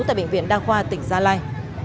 tại bệnh viện đa khoa tỉnh gia lai